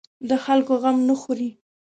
د خلکو غم نه خوري.